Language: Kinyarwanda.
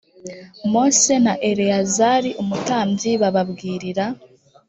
mose na eleyazari umutambyi bababwirira